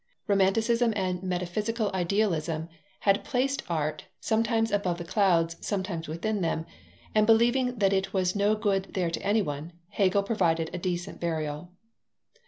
Romanticism and metaphysical idealism had placed art, sometimes above the clouds, sometimes within them, and believing that it was no good there to anyone, Hegel provided a decent burial.